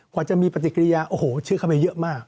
กว่าจะมีปฏิกิริยาโอ้โหชื่อเข้าไปเยอะมาก